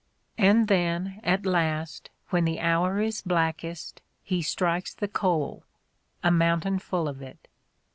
And then, at last, when the hour is blackest, he strikes the coal, a mountain full of it!